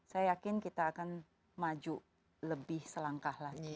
saya yakin kita akan maju lebih selangkah lagi